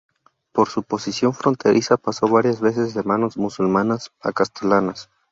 Por su posición fronteriza paso varias veces de manos musulmanas a castellanas.